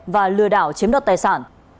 và lừa đảo chiếm đọt tài sản